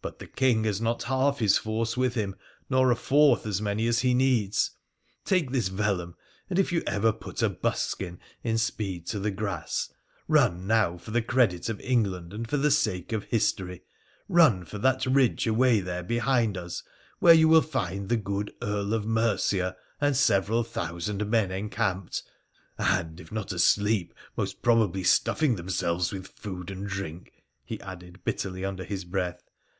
But the King has not half his force with him, nor a fourth as many as he needs ! Take this vellum, and, if you ever put a buskin in speed to the grass, run now for the credit of England and for the sake of history — run for that ridge away there be hind us, where you will find the good Earl of Mercia and several thousand men encamped — and, if not asleep, most probably stuffing themselves with food and drink,' he added bitterly under his breath.